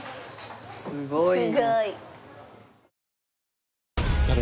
すごい。